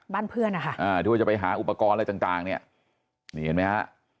บ้านเพื่อนค่ะที่จะไปหาอุปกรณ์อะไรต่างนี่เห็นไหมฮะ